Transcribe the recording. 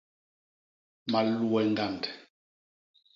Malue ñgand.